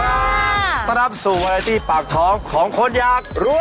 สวัสดีค่ะต้อนรับสู่วัลย์ตี้ปากท้องของคนอยากรวย